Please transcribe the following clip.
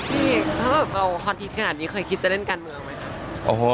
พี่ถ้าเราฮอตทีส์ขนาดนี้เคยคิดจะเล่นการเมืองไหมครับ